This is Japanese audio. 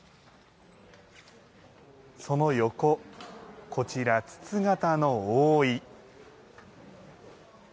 その横、こちら筒形の覆い。